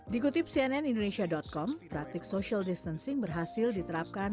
dikutip cnn indonesia com praktik social distancing berhasil diterapkan